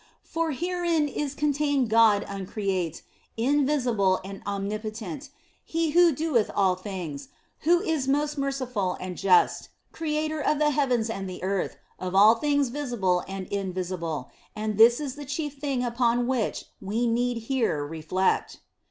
For herein is contained God uncreate, invisible, and omnipotent, He who doeth all things, who is most merciful and just, Creator of the heavens and the earth, of all things visible and invisible ; and this is the chief thing upon which we need here reflect.